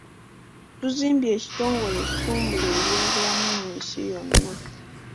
Tuzimbye ekitongole ekitumbula ebyobulamu mu nsi yonna.